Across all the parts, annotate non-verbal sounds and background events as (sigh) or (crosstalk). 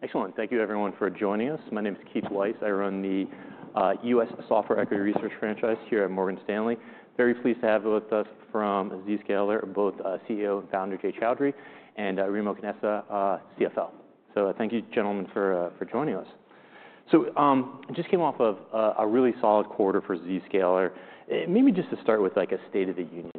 Excellent. Thank you, everyone, for joining us. My name is Keith Weiss. I run the US Software Equity Research franchise here at Morgan Stanley. Very pleased to have with us from Zscaler, both CEO and founder Jay Chaudhry and Remo Canessa, CFO. So thank you, gentlemen, for joining us. So it just came off of a really solid quarter for Zscaler. Maybe just to start with a state of the union,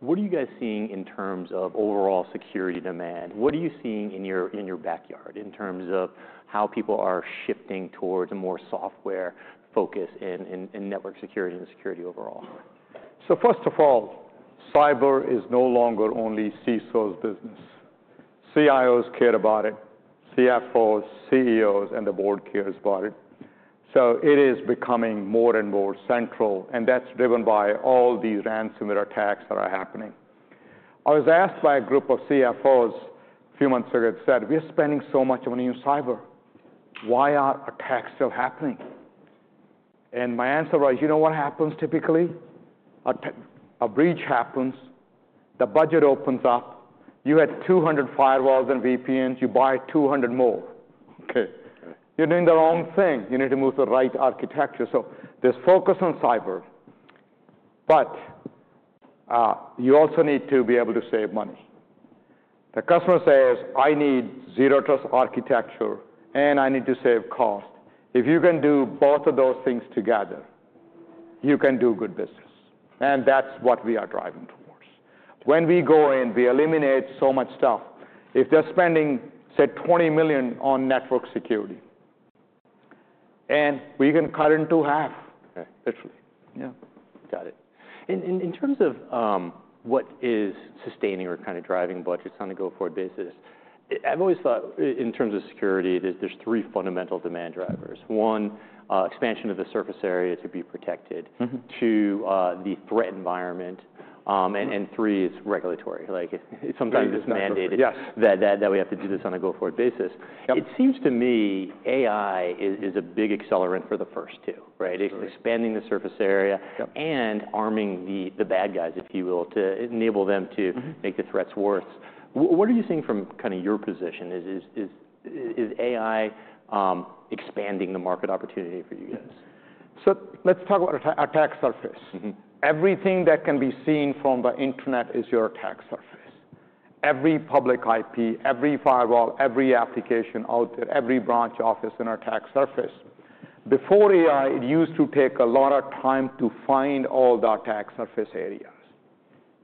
what are you guys seeing in terms of overall security demand? What are you seeing in your backyard in terms of how people are shifting towards a more software-focused network security and security overall? So first of all, cyber is no longer only CISO's business. CIOs care about it, CFOs, CEOs, and the board cares about it. So it is becoming more and more central, and that's driven by all these ransomware attacks that are happening. I was asked by a group of CFOs a few months ago that said, "We're spending so much money on cyber. Why are attacks still happening?" And my answer was, you know what happens typically? A breach happens. The budget opens up. You had 200 firewalls and VPNs. You buy 200 more. OK, you're doing the wrong thing. You need to move to the right architecture. So there's focus on cyber, but you also need to be able to save money. The customer says, "I need Zero Trust Architecture, and I need to save cost." If you can do both of those things together, you can do good business. And that's what we are driving towards. When we go in, we eliminate so much stuff. If they're spending, say, $20 million on network security, and we can cut it in half, literally. Yeah, got it. And in terms of what is sustaining or kind of driving budgets on a go-forward basis, I've always thought in terms of security, there's three fundamental demand drivers. One, expansion of the surface area to be protected. Two, the threat environment. And three, it's regulatory. Sometimes it's mandated that we have to do this on a go-forward basis. It seems to me AI is a big accelerant for the first two, right? Expanding the surface area and arming the bad guys, if you will, to enable them to make the threats worse. What are you seeing from kind of your position? Is AI expanding the market opportunity for you guys? So let's talk about attack surface. Everything that can be seen from the internet is your attack surface. Every public IP, every firewall, every application out there, every branch office is an attack surface. Before AI, it used to take a lot of time to find all the attack surface areas.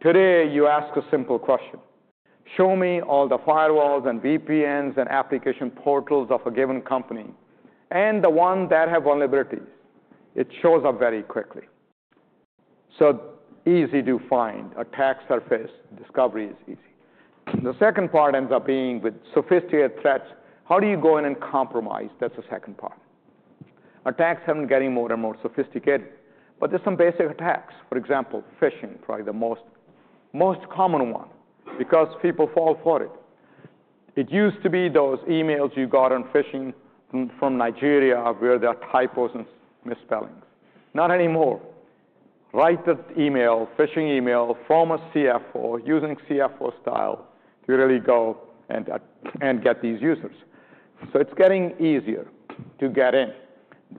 Today, you ask a simple question. Show me all the firewalls and VPNs and application portals of a given company and the ones that have vulnerabilities. It shows up very quickly. So easy to find. Attack surface discovery is easy. The second part ends up being with sophisticated threats. How do you go in and compromise? That's the second part. Attacks haven't gotten more and more sophisticated, but there's some basic attacks. For example, phishing, probably the most common one because people fall for it. It used to be those emails you got on phishing from Nigeria where there are typos and misspellings. Not anymore. Write that phishing email from a CFO using CFO style to really go and get these users. So it's getting easier to get in.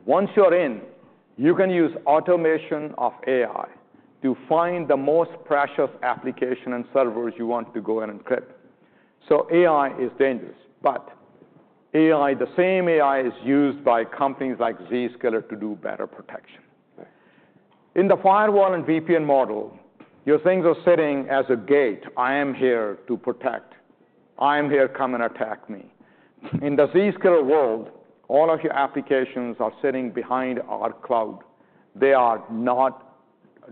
Once you're in, you can use automation of AI to find the most precious application and servers you want to go in and encrypt. So AI is dangerous, but the same AI is used by companies like Zscaler to do better protection. In the firewall and VPN model, your things are sitting as a gate. I am here to protect. I am here. Come and attack me. In the Zscaler world, all of your applications are sitting behind our cloud. They are not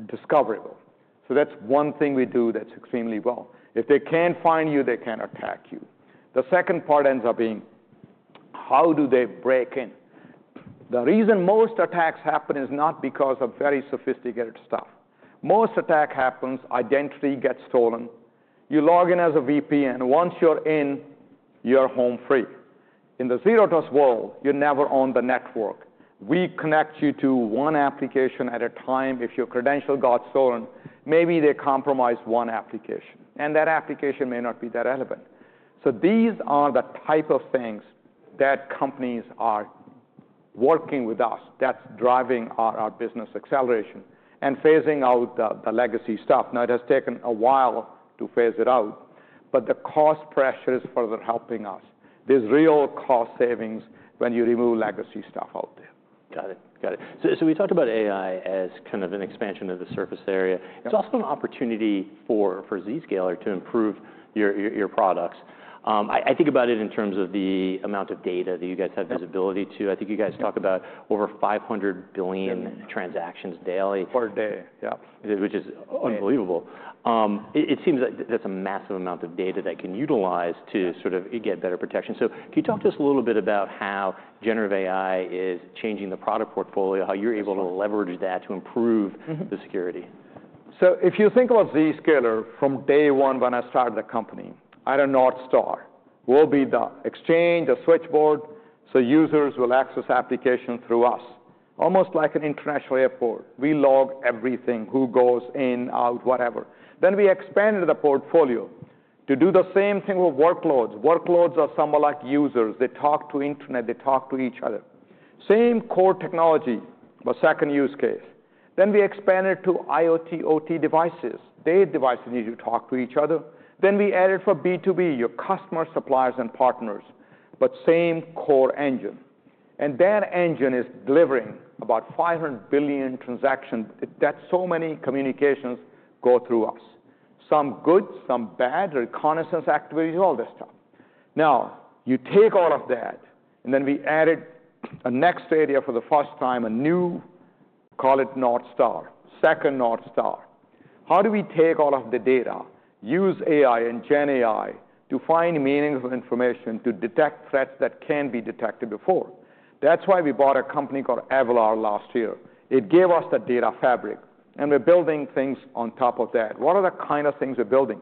discoverable. So that's one thing we do that's extremely well. If they can't find you, they can attack you. The second part ends up being, how do they break in? The reason most attacks happen is not because of very sophisticated stuff. Most attacks happen. Identity gets stolen. You log in as a VPN. Once you're in, you're home free. In the zero trust world, you're never on the network. We connect you to one application at a time. If your credential got stolen, maybe they compromised one application, and that application may not be that relevant. So these are the type of things that companies are working with us that's driving our business acceleration and phasing out the legacy stuff. Now, it has taken a while to phase it out, but the cost pressure is further helping us. There's real cost savings when you remove legacy stuff out there. Got it. So we talked about AI as kind of an expansion of the surface area. It's also an opportunity for Zscaler to improve your products. I think about it in terms of the amount of data that you guys have visibility to. I think you guys talk about over 500 billion transactions daily. Per day, yeah. Which is unbelievable. It seems like that's a massive amount of data that can utilize to sort of get better protection. So can you talk to us a little bit about how generative AI is changing the product portfolio, how you're able to leverage that to improve the security? If you think about Zscaler from day one when I started the company, I had a North Star. We'll be the exchange, the switchboard. Users will access applications through us, almost like an international airport. We log everything, who goes in, out, whatever. Then we expanded the portfolio to do the same thing with workloads. Workloads are somewhat like users. They talk to the internet. They talk to each other. Same core technology, but second use case. We expanded to IoT, OT devices. Their devices need to talk to each other. We added for B2B, your customers, suppliers, and partners, but same core engine. That engine is delivering about 500 billion transactions. That's so many communications go through us. Some good, some bad, reconnaissance activities, all this stuff. Now, you take all of that, and then we added a next area for the first time, a new, call it North Star, second North Star. How do we take all of the data, use AI and GenAI to find meaningful information to detect threats that can't be detected before? That's why we bought a company called Avalor last year. It gave us the data fabric, and we're building things on top of that. What are the kind of things we're building?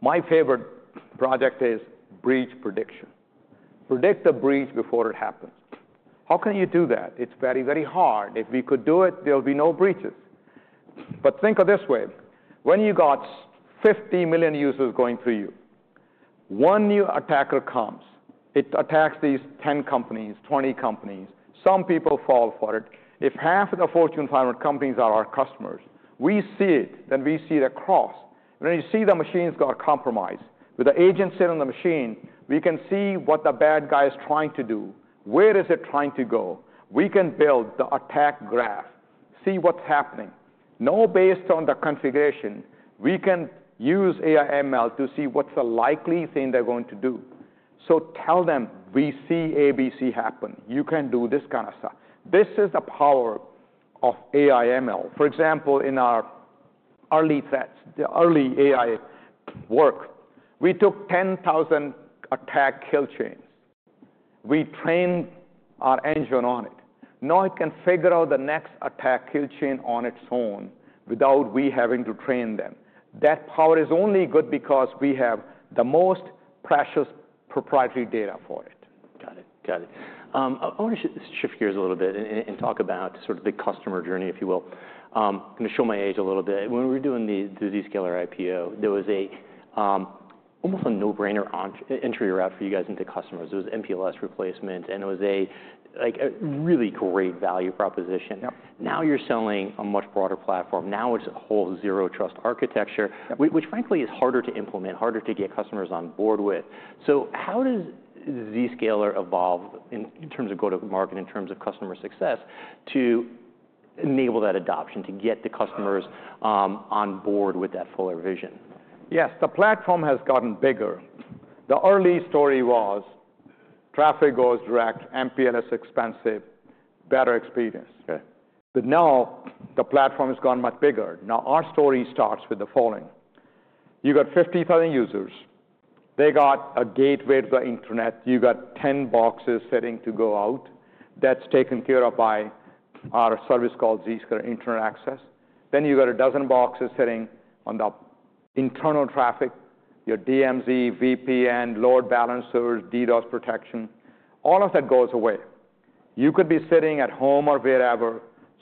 My favorite project is breach prediction. Predict the breach before it happens. How can you do that? It's very, very hard. If we could do it, there would be no breaches. But think of it this way. When you got 50 million users going through you, one new attacker comes. It attacks these 10 companies, 20 companies. Some people fall for it. If half of the Fortune 500 companies are our customers, we see it. Then we see it across. When you see the machines got compromised, with the agent sitting on the machine, we can see what the bad guy is trying to do, where is it trying to go. We can build the attack graph, see what's happening. Now based on the configuration, we can use AI/ML to see what's the likely thing they're going to do. So tell them, we see ABC happen. You can do this kind of stuff. This is the power of AI/ML. For example, in our early threats, the early AI work, we took 10,000 attack kill chains. We trained our engine on it. Now it can figure out the next attack kill chain on its own without we having to train them. That power is only good because we have the most precious proprietary data for it. Got it. I want to shift gears a little bit and talk about sort of the customer journey, if you will. I'm going to show my age a little bit. When we were doing the Zscaler IPO, there was almost a no-brainer entry route for you guys into customers. It was MPLS replacement, and it was a really great value proposition. Now you're selling a much broader platform. Now it's a whole Zero Trust Architecture, which frankly is harder to implement, harder to get customers on board with. So how does Zscaler evolve in terms of go-to-market, in terms of customer success, to enable that adoption, to get the customers on board with that fuller vision? Yes. The platform has gotten bigger. The early story was traffic goes direct, MPLS expensive, better experience. But now the platform has gotten much bigger. Now our story starts with the following. You got 50,000 users. They got a gateway to the internet. You got 10 boxes sitting to go out. That's taken care of by our service called Zscaler Internet Access. Then you got a dozen boxes sitting on the internal traffic, your DMZ, VPN, load balancers, DDoS protection. All of that goes away. You could be sitting at home or wherever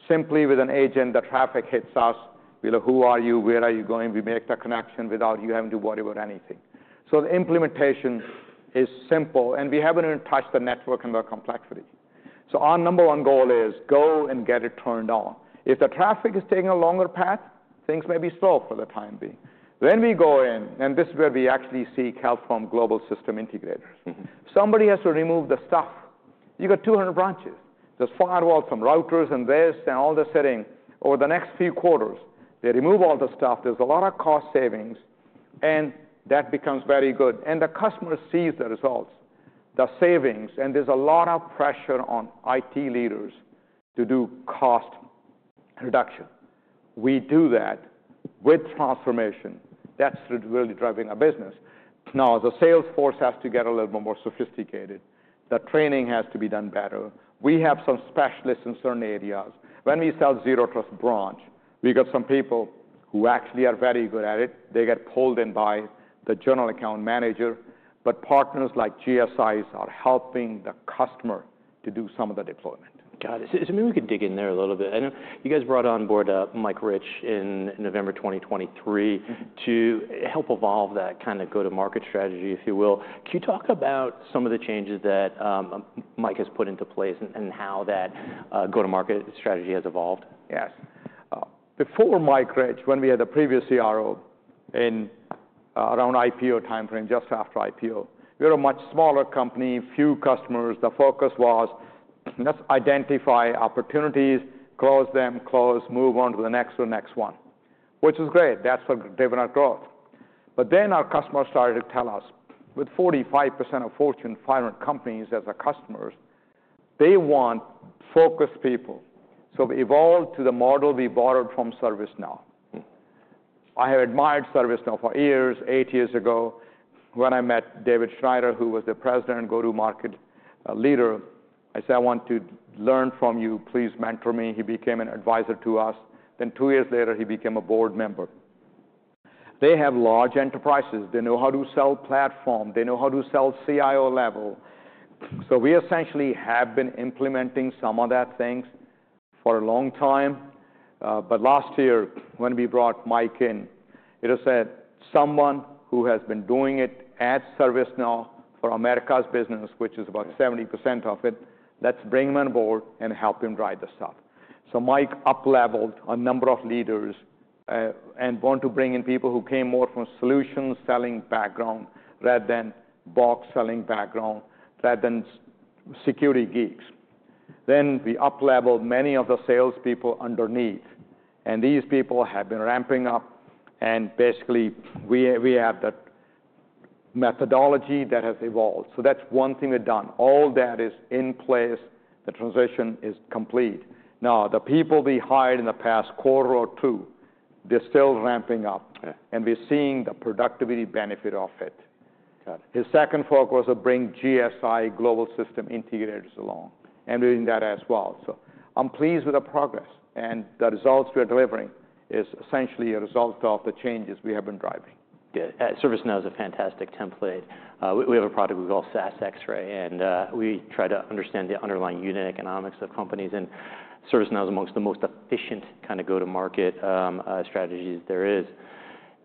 simply with an agent. The traffic hits us. We know who you are, where are you going. We make the connection without you having to worry about anything. So the implementation is simple, and we haven't even touched the network and the complexity. So our number one goal is go and get it turned on. If the traffic is taking a longer path, things may be slow for the time being. Then we go in, and this is where we actually seek help from global system integrators. Somebody has to remove the stuff. You got 200 branches. There's firewalls, some routers, and this, and all the switching. Over the next few quarters, they remove all the stuff. There's a lot of cost savings, and that becomes very good, and the customer sees the results, the savings, and there's a lot of pressure on IT leaders to do cost reduction. We do that with transformation. That's really driving our business. Now the sales force has to get a little bit more sophisticated. The training has to be done better. We have some specialists in certain areas. When we sell Zero Trust Branch, we got some people who actually are very good at it. They get pulled in by the general account manager. But partners like GSIs are helping the customer to do some of the deployment. Got it. So maybe we could dig in there a little bit. I know you guys brought on board Mike Rich in November 2023 to help evolve that kind of go-to-market strategy, if you will. Can you talk about some of the changes that Mike has put into place and how that go-to-market strategy has evolved? Yes. Before Mike Rich, when we had the previous CRO and around IPO time frame, just after IPO, we were a much smaller company, few customers. The focus was let's identify opportunities, close them, close, move on to the next or next one, which is great. That's what driven our growth. But then our customers started to tell us with 45% of Fortune 500 companies as our customers, they want focused people. So we evolved to the model we borrowed from ServiceNow. I have admired ServiceNow for years. Eight years ago, when I met David Schneider, who was the President and go-to-market leader, I said, I want to learn from you. Please mentor me. He became an advisor to us. Then two years later, he became a board member. They have large enterprises. They know how to sell platform. They know how to sell CIO level. So we essentially have been implementing some of those things for a long time. But last year, when we brought Mike in, it was said someone who has been doing it at ServiceNow for America's business, which is about 70% of it, let's bring him on board and help him drive the stuff. So Mike upleveled a number of leaders and wanted to bring in people who came more from solutions selling background rather than box selling background rather than security geeks. Then we upleveled many of the salespeople underneath, and these people have been ramping up. And basically, we have the methodology that has evolved. So that's one thing we've done. All that is in place. The transition is complete. Now, the people we hired in the past quarter or two, they're still ramping up, and we're seeing the productivity benefit of it. His second focus was to bring GSI global system integrators along and doing that as well, so I'm pleased with the progress, and the results we're delivering is essentially a result of the changes we have been driving. ServiceNow is a fantastic template. We have a product we call SaaS X-Ray, and we try to understand the underlying unit economics of companies, and ServiceNow is amongst the most efficient kind of go-to-market strategies there is.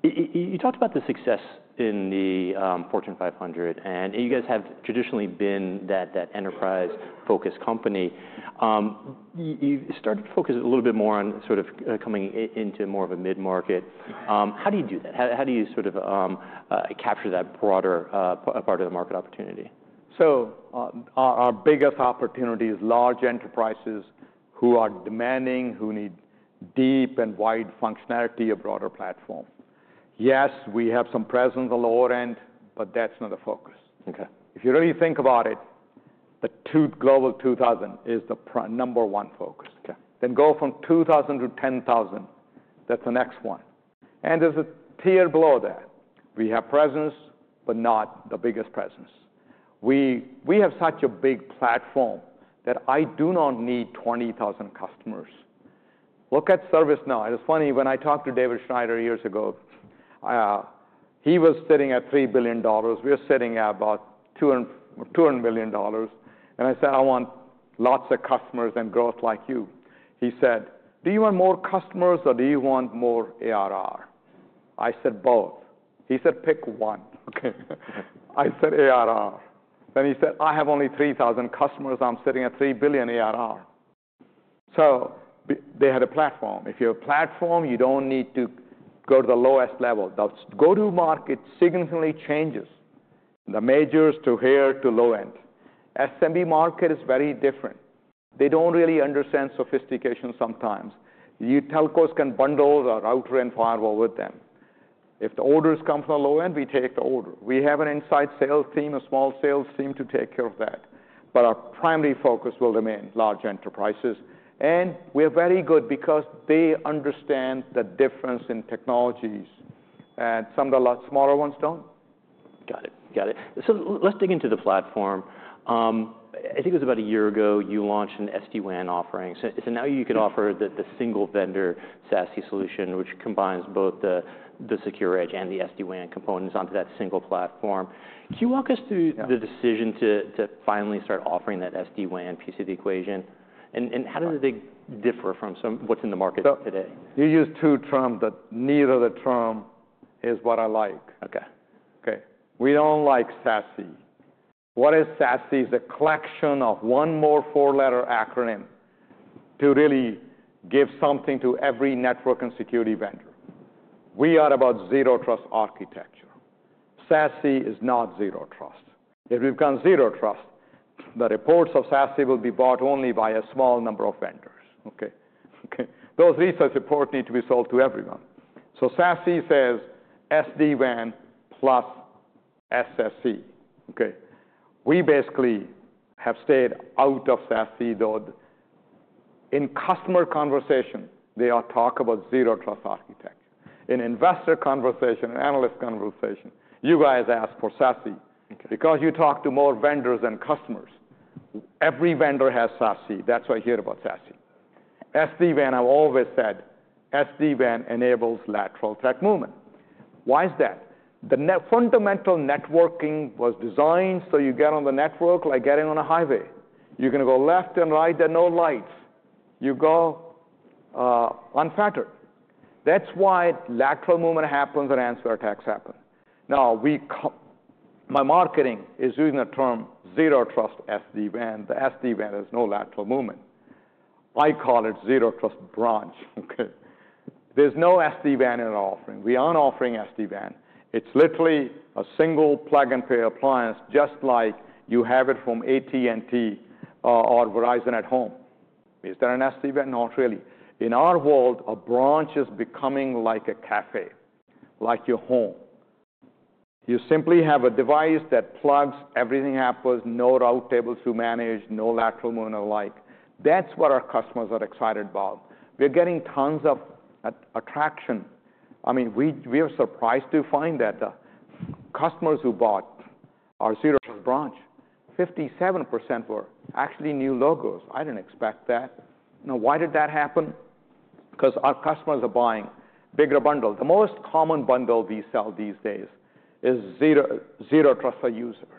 You talked about the success in the Fortune 500, and you guys have traditionally been that enterprise-focused company. You started to focus a little bit more on sort of coming into more of a mid-market. How do you do that? How do you sort of capture that broader part of the market opportunity? Our biggest opportunity is large enterprises who are demanding, who need deep and wide functionality of broader platform. Yes, we have some presence on the lower end, but that's not the focus. If you really think about it, the Global 2000 is the number one focus. Then go from 2000 to 10,000. That's the next one. And there's a tier below that. We have presence, but not the biggest presence. We have such a big platform that I do not need 20,000 customers. Look at ServiceNow. It was funny when I talked to David Schneider years ago. He was sitting at $3 billion. We were sitting at about $200 million. And I said, I want lots of customers and growth like you. He said, do you want more customers or do you want more ARR? I said, both. He said, pick one. I said, ARR. Then he said, "I have only 3,000 customers. I'm sitting at $3 billion ARR," so they had a platform. If you have a platform, you don't need to go to the lowest level. The go-to-market significantly changes the majors to SMB to low end. SMB market is very different. They don't really understand sophistication sometimes. Telcos can bundle the router and firewall with them. If the orders come from the low end, we take the order. We have an inside sales team, a small sales team to take care of that, but our primary focus will remain large enterprises, and we're very good because they understand the difference in technologies that some of the lot smaller ones don't. Got it. So let's dig into the platform. I think it was about a year ago you launched an SD-WAN offering. So now you could offer the single vendor SASE solution, which combines both the secure edge and the SD-WAN components onto that single platform. Can you walk us through the decision to finally start offering that SD-WAN piece of the equation? And how does it differ from what's in the market today? You use two terms, but neither term is what I like. We don't like SASE. What is SASE? It's a collection of one more four-letter acronym to really give something to every network and security vendor. We are about Zero Trust Architecture. SASE is not zero trust. If we've got zero trust, the reports on SASE will be bought only by a small number of vendors. Those research reports need to be sold to everyone. So SASE says SD-WAN plus SSE. We basically have stayed out of SASE, though in customer conversation, they talk about Zero Trust Architecture. In investor conversation, analyst conversation, you guys ask for SASE because you talk to more vendors and customers. Every vendor has SASE. That's why you hear about SASE. SD-WAN, I've always said, SD-WAN enables lateral threat movement. Why is that? The fundamental networking was designed so you get on the network like getting on a highway. You're going to go left and right. There are no lights. You go unfettered. That's why lateral movement happens and lateral attack happens. Now, my marketing is using the term Zero Trust SD-WAN. The SD-WAN is no lateral movement. I call it Zero Trust Branch. There's no SD-WAN in our offering. We aren't offering SD-WAN. It's literally a single plug-and-play appliance, just like you have it from AT&T or Verizon at home. Is there an SD-WAN? Not really. In our world, a branch is becoming like a cafe, like your home. You simply have a device that plugs. Everything happens. No route tables to manage, no lateral movement alike. That's what our customers are excited about. We're getting tons of traction. I mean, we were surprised to find that the customers who bought our Zero Trust Branch, 57% were actually new logos. I didn't expect that. Now, why did that happen? Because our customers are buying bigger bundles. The most common bundle we sell these days is zero trust for users,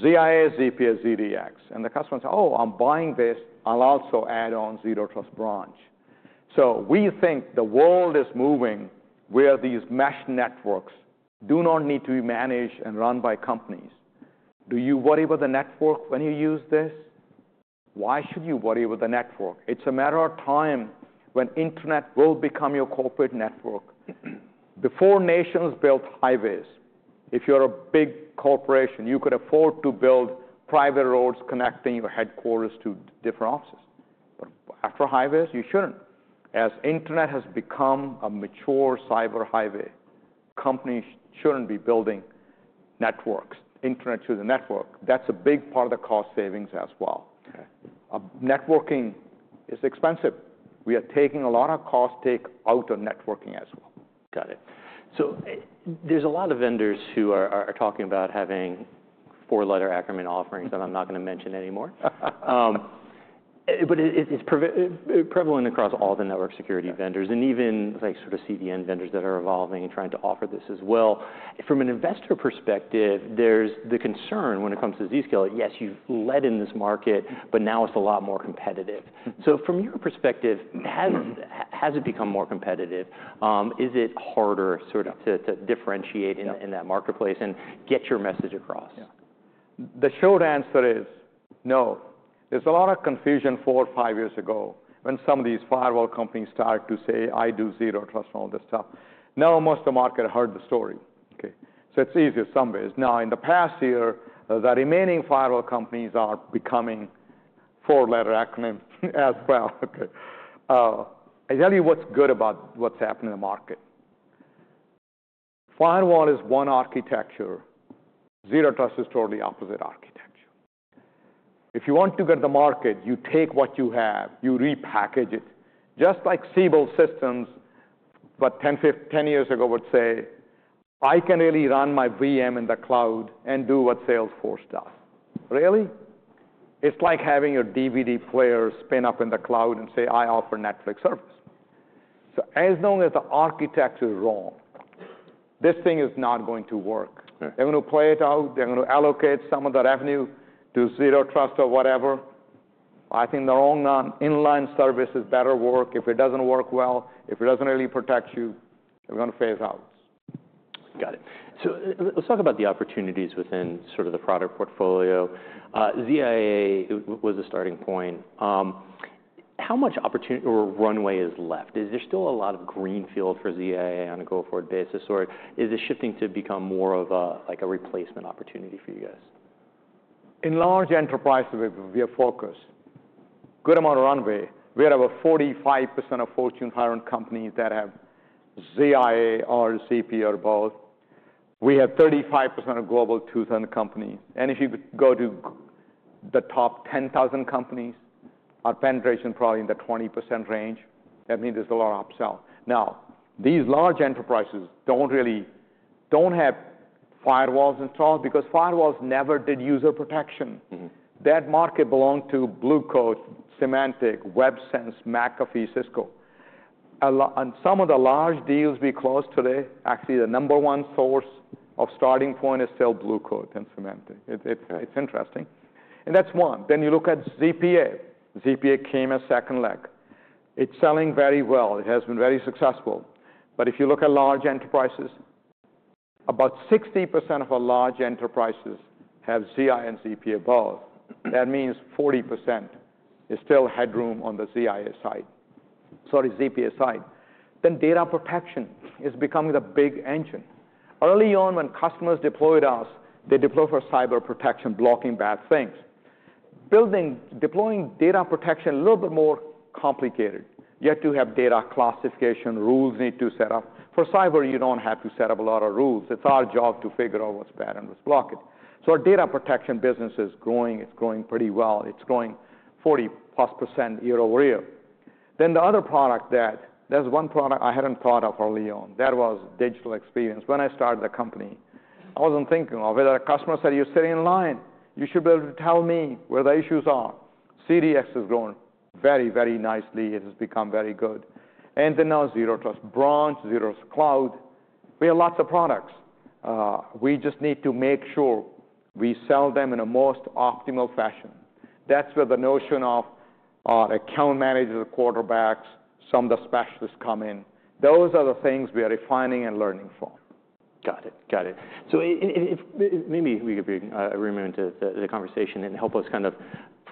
ZIA, ZPA, ZDX. And the customer says, oh, I'm buying this. I'll also add on Zero Trust Branch. So we think the world is moving where these mesh networks do not need to be managed and run by companies. Do you worry about the network when you use this? Why should you worry about the network? It's a matter of time when internet will become your corporate network. Before nations built highways, if you're a big corporation, you could afford to build private roads connecting your headquarters to different offices. But after highways, you shouldn't. As the internet has become a mature cyber highway, companies shouldn't be building networks, internet to the network. That's a big part of the cost savings as well. Networking is expensive. We are taking a lot of cost takeout of networking as well. Got it. So there's a lot of vendors who are talking about having four-letter acronym offerings that I'm not going to mention anymore. But it's prevalent across all the network security vendors and even sort of CDN vendors that are evolving and trying to offer this as well. From an investor perspective, there's the concern when it comes to Zscaler. Yes, you've led in this market, but now it's a lot more competitive. So from your perspective, has it become more competitive? Is it harder sort of to differentiate in that marketplace and get your message across? The short answer is no. There's a lot of confusion four or five years ago when some of these firewall companies started to say, I do zero trust and all this stuff. Now most of the market heard the story. So it's easier some ways. Now, in the past year, the remaining firewall companies are becoming four-letter acronym as well. I'll tell you what's good about what's happening in the market. Firewall is one architecture. Zero trust is totally opposite architecture. If you want to get the market, you take what you have, you repackage it. Just like Siebel Systems, but 10 years ago would say, I can really run my VM in the cloud and do what Salesforce does. Really? It's like having your DVD player spin up in the cloud and say, I offer Netflix service. So as long as the architecture is wrong, this thing is not going to work. They're going to play it out. They're going to allocate some of the revenue to zero trust or whatever. I think the wrong inline service is better work. If it doesn't work well, if it doesn't really protect you, you're going to phase out. Got it. So let's talk about the opportunities within sort of the product portfolio. ZIA was a starting point. How much opportunity or runway is left? Is there still a lot of greenfield for ZIA on a go-forward basis, or is it shifting to become more of a replacement opportunity for you guys? In large enterprise, we are focused. Good amount of runway. We have over 45% of Fortune 500 companies that have ZIA, ZPA, or both. We have 35% of global 2000 companies, and if you go to the top 10,000 companies, our penetration is probably in the 20% range. That means there's a lot of upsell. Now, these large enterprises don't have firewalls installed because firewalls never did user protection. That market belonged to Blue Coat, Symantec, Websense, McAfee, Cisco. And some of the large deals we closed today, actually the number one source of starting point is still Blue Coat and Symantec. It's interesting, and that's one, then you look at ZPA. ZPA came as second leg. It's selling very well. It has been very successful, but if you look at large enterprises, about 60% of our large enterprises have ZIA and ZPA both. That means 40% is still headroom on the ZIA side, sorry, ZPA side. Then data protection is becoming the big engine. Early on, when customers deployed us, they deployed for cyber protection, blocking bad things. Deploying data protection is a little bit more complicated. You have to have data classification rules need to set up. For cyber, you don't have to set up a lot of rules. It's our job to figure out what's bad and what's blocking. So our data protection business is growing. It's growing pretty well. It's growing 40+% year over year. Then the other product that there's one product I hadn't thought of early on. That was digital experience. When I started the company, I wasn't thinking of it. The customer said, you're sitting in line. You should be able to tell me where the issues are. ZDX has grown very, very nicely. It has become very good, and then now Zero Trust Branch, Zero Trust Cloud. We have lots of products. We just need to make sure we sell them in a most optimal fashion. That's where the notion of our account managers, quarterbacks, some of the specialists come in. Those are the things we are refining and learning from. Got it. Maybe we could be zooming into the conversation and help us kind of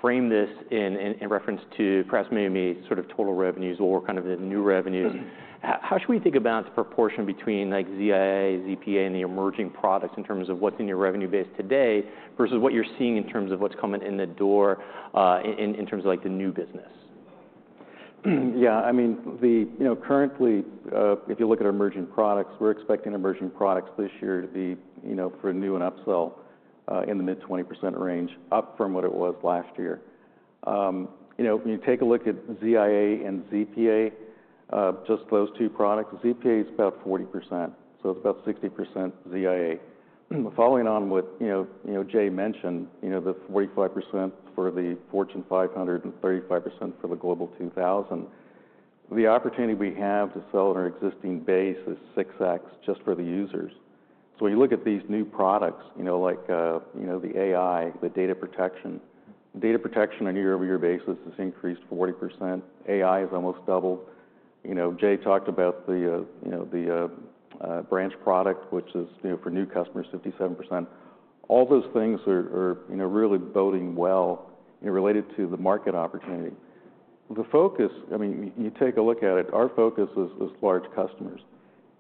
frame this in reference to perhaps maybe sort of total revenues or kind of the new revenues. How should we think about the proportion between ZIA, ZPA, and the emerging products in terms of what's in your revenue base today versus what you're seeing in terms of what's coming in the door in terms of the new business? Yeah. I mean, currently, if you look at emerging products, we're expecting emerging products this year to be for new and upsell in the mid-20% range up from what it was last year. If you take a look at ZIA and ZPA, just those two products, ZPA is about 40%. So it's about 60% ZIA. Following on what Jay mentioned, the 45% for the Fortune 500 and 35% for the Global 2000, the opportunity we have to sell on our existing base is six X just for the users. So when you look at these new products like the AI, the data protection, data protection on a year-over-year basis has increased 40%. AI has almost doubled. Jay talked about the branch product, which is for new customers, 57%. All those things are really boding well related to the market opportunity. The focus, I mean, you take a look at it, our focus is large customers.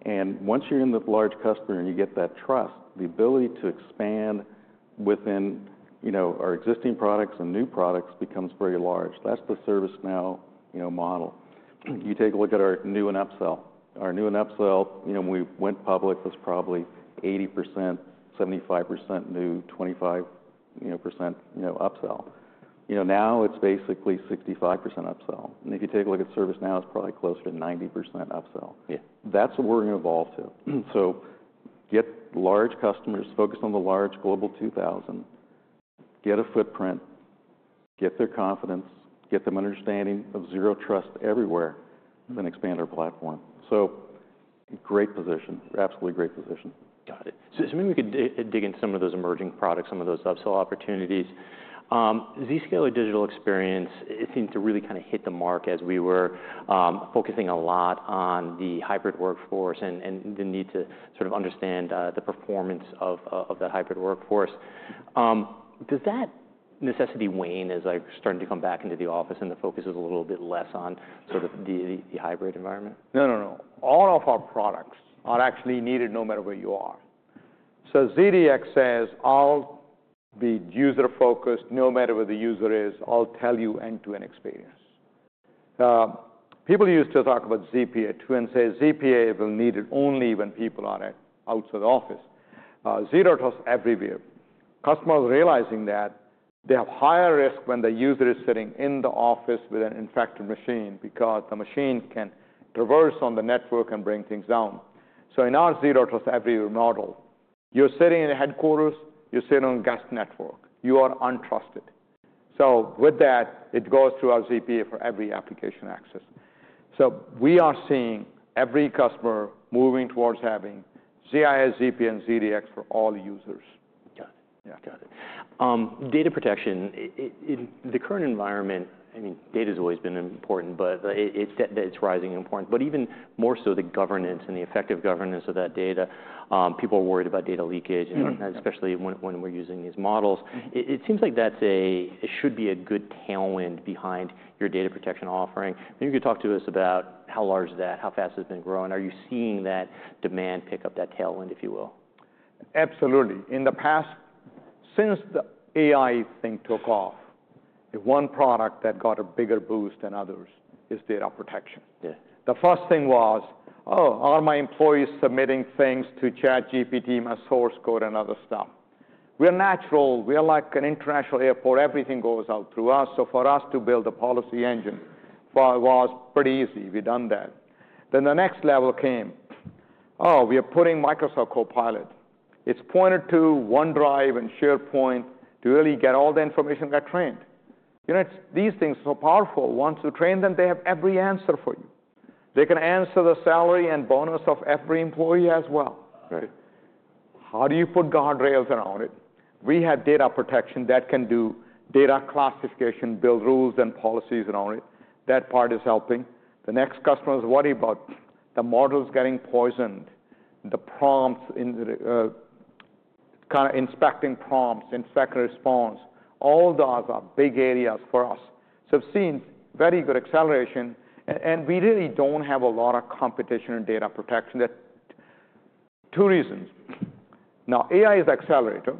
And once you're in the large customer and you get that trust, the ability to expand within our existing products and new products becomes very large. That's the ServiceNow model. You take a look at our new and upsell. Our new and upsell, when we went public, was probably 80%, 75% new, 25% upsell. Now it's basically 65% upsell. And if you take a look at ServiceNow, it's probably closer to 90% upsell. That's what we're going to evolve to. So get large customers, focus on the large Global 2000, get a footprint, get their confidence, get them understanding of Zero Trust Everywhere, then expand our platform. So great position, absolutely great position. Got it. So maybe we could dig into some of those emerging products, some of those upsell opportunities. Zscaler Digital Experience seemed to really kind of hit the mark as we were focusing a lot on the hybrid workforce and the need to sort of understand the performance of that hybrid workforce. Does that necessity wane as I'm starting to come back into the office and the focus is a little bit less on sort of the hybrid environment? No, no, no. All of our products are actually needed no matter where you are. So ZDX says, I'll be user-focused no matter where the user is. I'll tell you end-to-end experience. People used to talk about ZPA too and say ZPA will need it only when people are outside the office. Zero Trust Everywhere. Customers realizing that they have higher risk when the user is sitting in the office with an infected machine because the machine can traverse on the network and bring things down. So, in our Zero Trust Everywhere model, you're sitting in headquarters, you're sitting on guest network. You are untrusted. So, with that, it goes through our ZPA for every application access. So, we are seeing every customer moving towards having ZIA, ZPA, and ZDX for all users. Got it. Data protection, in the current environment, I mean, data has always been important, but it's rising in importance. But even more so the governance and the effective governance of that data. People are worried about data leakage, especially when we're using these models. It seems like that should be a good tailwind behind your data protection offering. Maybe you could talk to us about how large that, how fast it's been growing. Are you seeing that demand pick up that tailwind, if you will? Absolutely. In the past, since the AI thing took off, the one product that got a bigger boost than others is data protection. The first thing was, oh, are my employees submitting things to ChatGPT, my source code, and other stuff? We're natural. We're like an international airport. Everything goes out through us. So for us to build a policy engine was pretty easy. We've done that. Then the next level came. Oh, we are putting Microsoft Copilot. It's pointed to OneDrive and SharePoint to really get all the information that got trained. These things are so powerful. Once you train them, they have every answer for you. They can answer the salary and bonus of every employee as well. How do you put guardrails around it? We have data protection that can do data classification, build rules and policies around it. That part is helping. The next customer is worried about the models getting poisoned, the kind of inspecting prompts, inspect and response. All those are big areas for us, so we've seen very good acceleration, and we really don't have a lot of competition in data protection. Two reasons. Now, AI is an accelerator,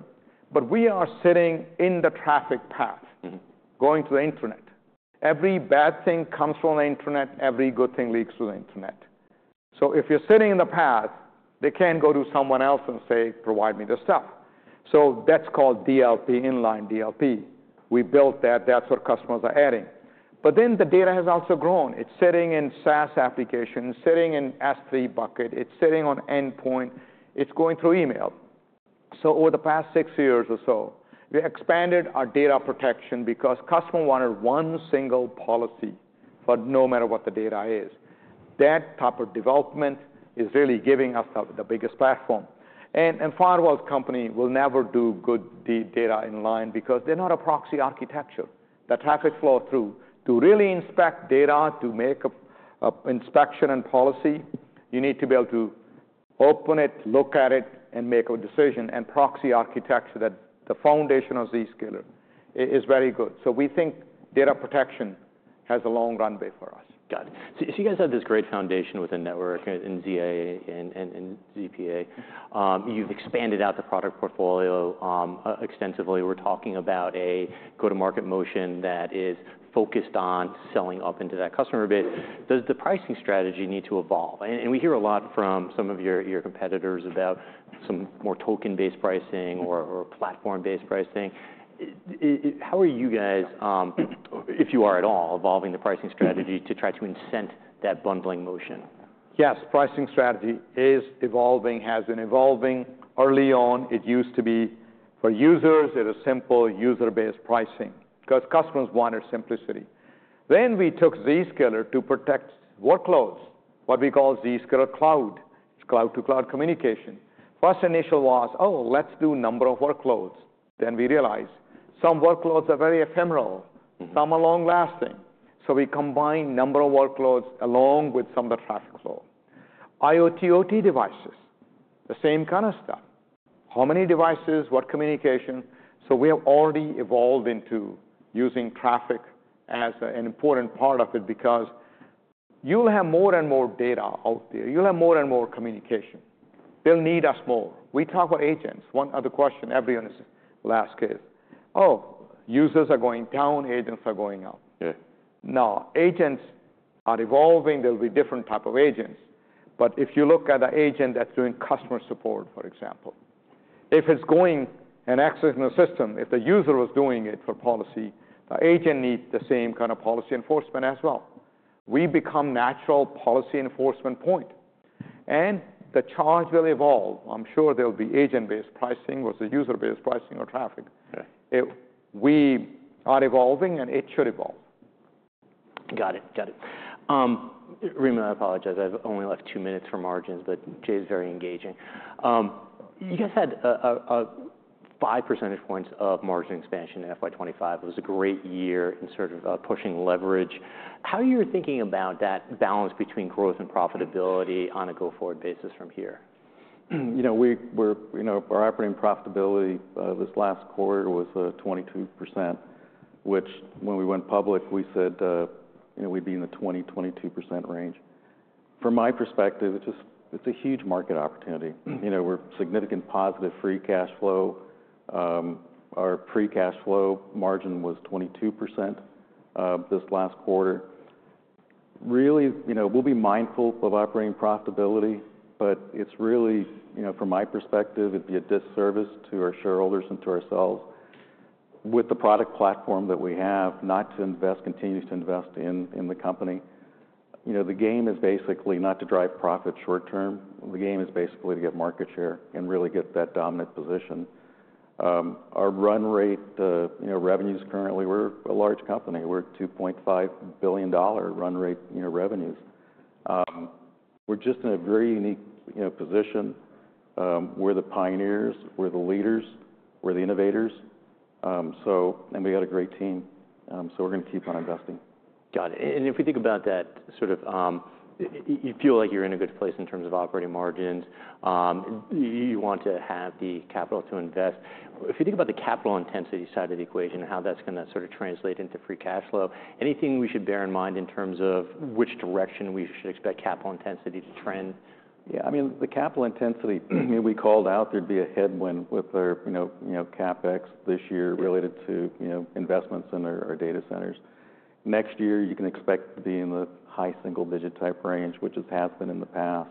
but we are sitting in the traffic path, going to the internet. Every bad thing comes from the internet. Every good thing leaks through the internet, so if you're sitting in the path, they can't go to someone else and say, provide me the stuff, so that's called inline DLP. We built that. That's what customers are adding. But then the data has also grown. It's sitting in SaaS applications, sitting in S3 bucket, it's sitting on endpoint, it's going through email. So over the past six years or so, we expanded our data protection because customers wanted one single policy for no matter what the data is. That type of development is really giving us the biggest platform. And a firewall company will never do good data inline because they're not a proxy architecture. The traffic flow through to really inspect data, to make an inspection and policy, you need to be able to open it, look at it, and make a decision. And proxy architecture, the foundation of Zscaler, is very good. So we think data protection has a long runway for us. Got it. So you guys have this great foundation within network in ZIA and ZPA. You've expanded out the product portfolio extensively. We're talking about a go-to-market motion that is focused on selling up into that customer base. Does the pricing strategy need to evolve? And we hear a lot from some of your competitors about some more token-based pricing or platform-based pricing. How are you guys, if you are at all, evolving the pricing strategy to try to incent that bundling motion? Yes, pricing strategy is evolving, has been evolving. Early on, it used to be for users, it was simple user-based pricing because customers wanted simplicity. Then we took Zscaler to protect workloads, what we call Zscaler Cloud. It's cloud-to-cloud communication. First initial was, oh, let's do number of workloads. Then we realized some workloads are very ephemeral, some are long-lasting. So we combined number of workloads along with some of the traffic flow. IoT OT devices, the same kind of stuff. How many devices, what communication? So we have already evolved into using traffic as an important part of it because you'll have more and more data out there. You'll have more and more communication. They'll need us more. We talk about agents. One other question everyone will ask is, oh, users are going down, agents are going up. Now, agents are evolving. There'll be different types of agents. But if you look at an agent that's doing customer support, for example, if it's going and accessing the system, if the user was doing it for policy, the agent needs the same kind of policy enforcement as well. We become natural policy enforcement point. And the charge will evolve. I'm sure there'll be agent-based pricing versus user-based pricing or traffic. We are evolving, and it should evolve. Got it. Remo, I apologize. I've only left two minutes for margins, but Jay's very engaging. You guys had five percentage points of margin expansion in FY25. It was a great year in sort of pushing leverage. How are you thinking about that balance between growth and profitability on a go-forward basis from here? Our operating profitability this last quarter was 22%, which when we went public, we said we'd be in the 20%-22% range. From my perspective, it's a huge market opportunity. We're significant positive free cash flow. Our free cash flow margin was 22% this last quarter. Really, we'll be mindful of operating profitability, but it's really, from my perspective, it'd be a disservice to our shareholders and to ourselves. With the product platform that we have, not to invest, continue to invest in the company. The game is basically not to drive profit short term. The game is basically to get market share and really get that dominant position. Our run rate revenues currently, we're a large company. We're $2.5 billion run rate revenues. We're just in a very unique position. We're the pioneers. We're the leaders. We're the innovators. And we got a great team. We're going to keep on investing. Got it. And if we think about that, sort of you feel like you're in a good place in terms of operating margins. You want to have the capital to invest. If you think about the capital intensity side of the equation and how that's going to sort of translate into free cash flow, anything we should bear in mind in terms of which direction we should expect capital intensity to trend? Yeah. I mean, the capital intensity, we called out there'd be a headwind with our CapEx this year related to investments in our data centers. Next year, you can expect to be in the high single-digit type range, which has happened in the past.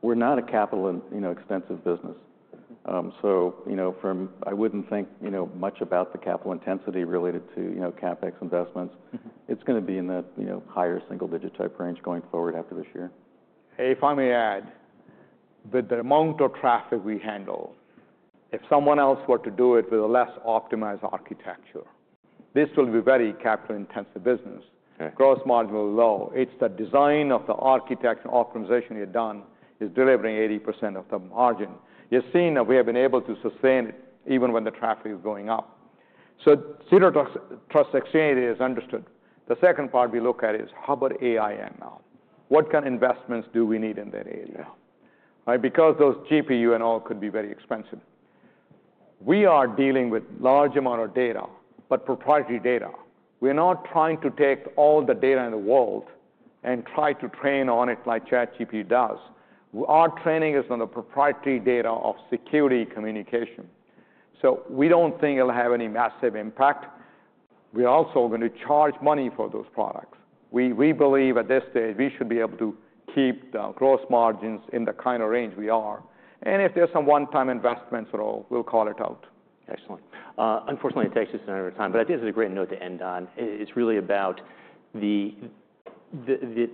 We're not a capital-intensive business. So, I wouldn't think much about the capital intensity related to CapEx investments. It's going to be in the higher single-digit type range going forward after this year. If I may add, with the amount of traffic we handle, if someone else were to do it with a less optimized architecture, this will be very capital-intensive business. Gross margin will be low. It's the design of the architecture and optimization you've done is delivering 80% of the margin. You've seen that we have been able to sustain it even when the traffic is going up. So Zero Trust Exchange is understood. The second part we look at is how about AI now? What kind of investments do we need in that area? Because those GPU and all could be very expensive. We are dealing with a large amount of data, but proprietary data. We're not trying to take all the data in the world and try to train on it like ChatGPT does. Our training is on the proprietary data of security communication. So, we don't think it'll have any massive impact. We're also going to charge money for those products. We believe at this stage we should be able to keep the gross margins in the kind of range we are. And if there's some one-time investments at all, we'll call it out. Excellent. Unfortunately, it takes us another time, but I think this is a great note to end on. It's really about the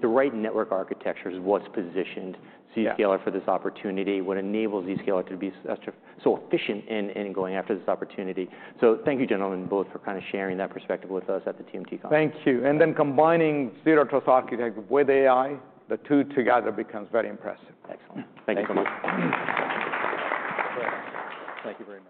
right network architecture is what's positioned Zscaler for this opportunity, what enables Zscaler to be so efficient in going after this opportunity. So, thank you, gentlemen, both for kind of sharing that perspective with us at the TMT Conference. Thank you. And then combining Zero Trust Architecture with AI, the two together becomes very impressive. Excellent. Thank you. (inaudible) Great. Thank you very much.